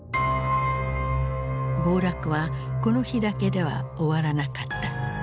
暴落はこの日だけでは終わらなかった。